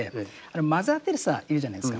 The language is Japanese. マザー・テレサいるじゃないですか。